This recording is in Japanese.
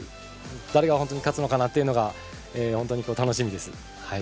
誰が本当に勝つのかなというのが本当に楽しみです。